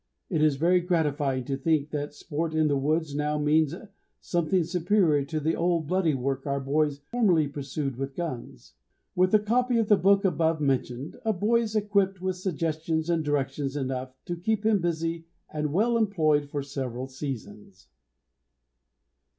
It is very gratifying to think that sport in the woods now means something superior to the old bloody work our boys formerly pursued with guns. With a copy of the book above mentioned a boy is equipped with suggestions and directions enough to keep him busy and well employed for several seasons.